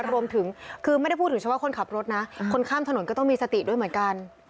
รวมถึงคือไม่ได้พูดถึงเฉพาะคนขับรถนะคนข้ามถนนก็ต้องมีสติด้วยเหมือนกัน